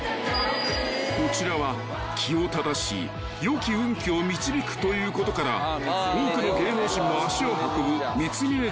［こちらは気を正し良き運気を導くということから多くの芸能人も足を運ぶ］